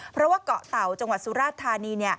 เพราะว่าเกาะเต่าจังหวัดสุราชธานี